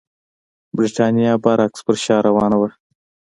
برېټانیا برعکس پر شا روانه وه.